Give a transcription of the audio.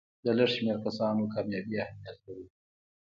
د لږ شمېر کسانو کامیابي اهمیت لري.